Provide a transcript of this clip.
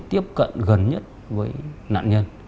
tiếp cận gần nhất với nạn nhân